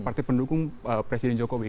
partai pendukung presiden jokowi